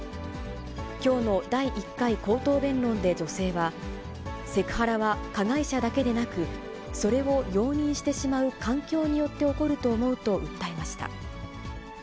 きょうの第１回口頭弁論で女性は、セクハラは加害者だけでなく、それを容認してしまう環境によって起こると思うと訴えました。